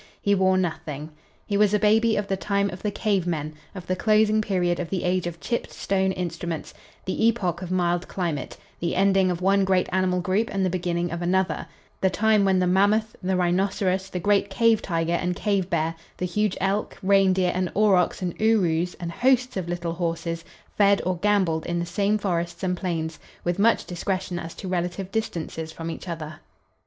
He wore nothing. He was a baby of the time of the cave men; of the closing period of the age of chipped stone instruments; the epoch of mild climate; the ending of one great animal group and the beginning of another; the time when the mammoth, the rhinoceros, the great cave tiger and cave bear, the huge elk, reindeer and aurochs and urus and hosts of little horses, fed or gamboled in the same forests and plains, with much discretion as to relative distances from each other.